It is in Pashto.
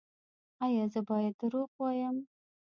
ایا زه باید دروغ ووایم؟